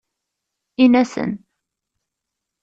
Ini-asen.